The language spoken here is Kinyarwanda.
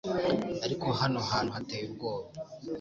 ariko hano hantu hateye ubwoba